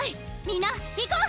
みんないこう！